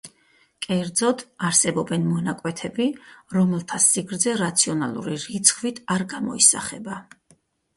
კერძოდ, არსებობენ მონაკვეთები, რომელთა სიგრძე რაციონალური რიცხვით არ გამოისახება.